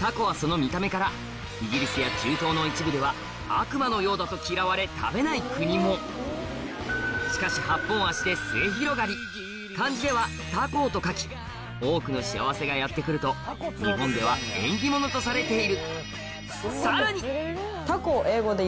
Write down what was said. タコはその見た目からイギリスや中東の一部では悪魔のようだと嫌われ食べない国もしかし８本足で末広がり漢字では「多幸」と書き多くの幸せがやって来ると日本では縁起物とされているさらに！